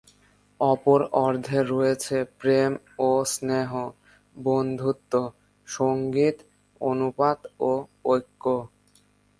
অপর অর্ধে রয়েছে প্রেম ও স্নেহ, বন্ধুত্ব, সঙ্গতি, অনুপাত ও ঐক্য।